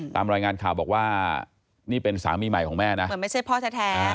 ตามรายงานข่าวบอกว่านี่เป็นสามีใหม่ของแม่นะเหมือนไม่ใช่พ่อแท้